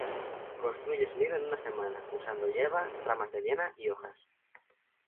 Construye su nido en una semana, usando hierba, ramas de liana y hojas.